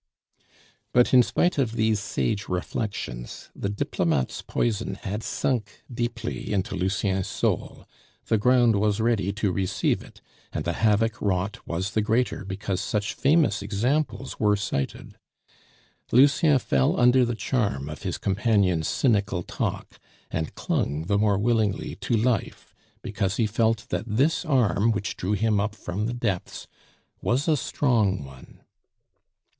But in spite of these sage reflections, the diplomate's poison had sunk deeply into Lucien's soul; the ground was ready to receive it, and the havoc wrought was the greater because such famous examples were cited. Lucien fell under the charm of his companion's cynical talk, and clung the more willingly to life because he felt that this arm which drew him up from the depths was a strong one.